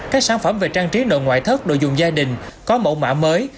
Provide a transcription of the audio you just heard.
các sản phẩm về trang trí nội ngoại thất đồ dùng gia đình có mẫu mã mới